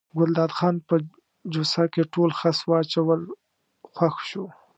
ګلداد خان په جوسه کې ټول خس واچول خوښ شو.